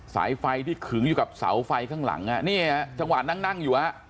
สายไฟที่ขึงอยู่กับเสาไฟข้างหลังอ่ะเนี่ยจังหวะนั่งนั่งอยู่ฮะ